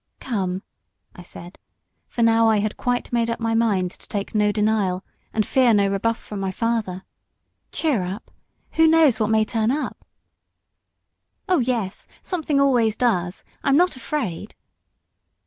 "Come," I said, for now I had quite made up my mind to take no denial, and fear no rebuff from my father; "cheer up. Who knows what may turn up?" "Oh yes, something always does; I'm not afraid!"